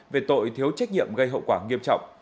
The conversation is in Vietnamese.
về tội thiếu trách nhiệm gây hậu quả nghiêm trọng